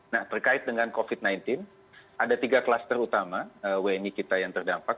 nah terkait dengan covid sembilan belas ada tiga kluster utama wni kita yang terdampak